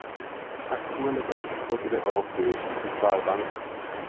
Aktuelle Wechselkurse der Europäischen Zentralbank